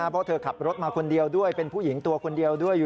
เพราะเธอขับรถมาคนเดียวด้วยเป็นผู้หญิงตัวคนเดียวด้วยอยู่